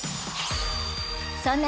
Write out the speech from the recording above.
そんな